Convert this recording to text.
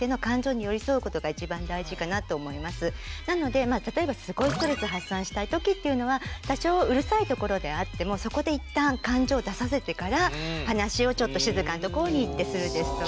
基本的にはなので例えばすごいストレス発散したい時っていうのは多少うるさいところであってもそこで一旦感情を出させてから話をちょっと静かなところに行ってするですとか。